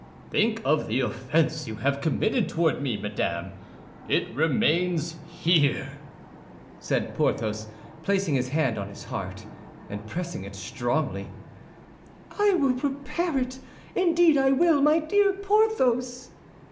"Think of the offense you have committed toward me, madame! It remains here!" said Porthos, placing his hand on his heart, and pressing it strongly. "I will repair it, indeed I will, my dear Porthos."